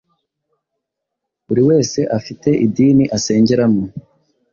Buri wese afite idini asengeramo,